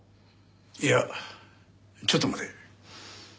いやちょっと待て。